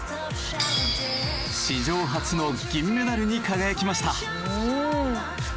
史上初の銀メダルに輝きました。